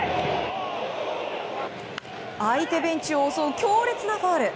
相手ベンチを襲う強烈なファウル。